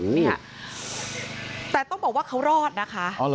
เนี่ยแต่ต้องบอกว่าเขารอดนะคะ